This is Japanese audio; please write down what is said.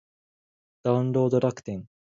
ダウンロード楽天